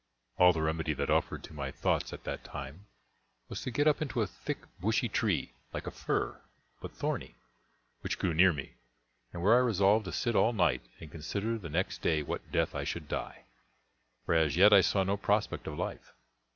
All the remedy that offered to my thoughts, at that time, was to get up into a thick, bushy tree, like a fir, but thorny, which grew near me, and where I resolved to sit all night, and consider the next day what death I should die, for as yet I saw no prospect of life.